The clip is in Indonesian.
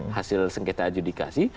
kita bersengketa adjudikasi